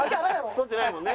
太ってないもんね。